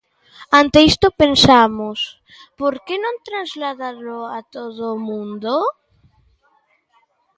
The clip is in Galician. Ante isto pensamos, por que non trasladalo a todo o mundo?